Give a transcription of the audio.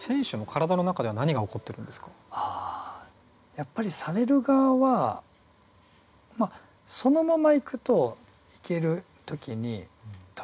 やっぱりされる側はそのままいくといける時に時々ですね